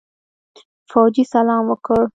فوجي سلام وکړ.